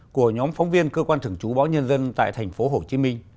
của nhóm phóng viên cơ quan thưởng chú báo nhân dân tại tp hcm